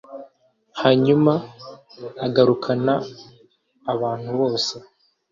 Hanyuma agarukana nabantu bose